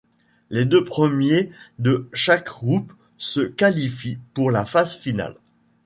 Les deux premiers de chaque groupe se qualifient pour la Phase finale.